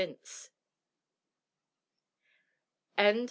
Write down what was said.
THE END.